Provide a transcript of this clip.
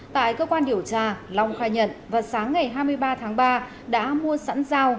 tại cơ quan điều tra long khai nhận vào sáng ngày hai mươi ba tháng ba đã mua sẵn dao